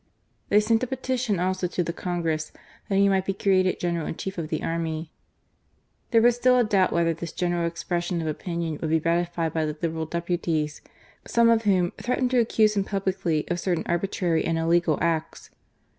They sent a petition also to the Congress that he might Tbe created General in Chief of the army. There was still a doubt whether this general expression of opinion would be ratified by the THE ONE NECESSARY MAN. 169 Liberal deputies, some of whom threatened to accuse him publicly of " certain arbitrary and illegal acts."